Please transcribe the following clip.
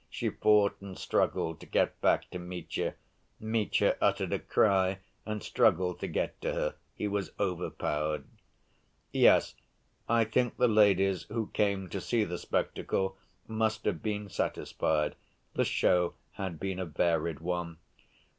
She fought and struggled to get back to Mitya. Mitya uttered a cry and struggled to get to her. He was overpowered. Yes, I think the ladies who came to see the spectacle must have been satisfied—the show had been a varied one.